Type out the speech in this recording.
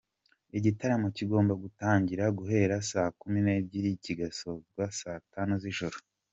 Igitaramo kigomba gutangira guhera saa kumi n’ebyiri kigasozwa saa tanu z’ijoro.